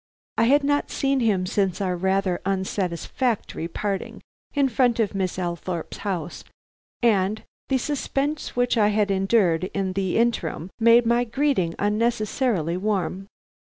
I had not seen him since our rather unsatisfactory parting in front of Miss Althorpe's house, and the suspense which I had endured in the interim made my greeting unnecessarily warm.